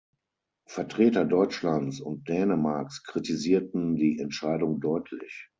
Vertreter Deutschlands und Dänemarks kritisierten die Entscheidung deutlich.